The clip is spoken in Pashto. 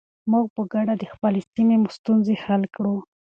موږ به په ګډه د خپلې سیمې ستونزې حل کړو.